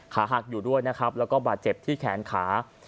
ขาหักอยู่ด้วยนะครับแล้วก็บาดเจ็บที่แขนขา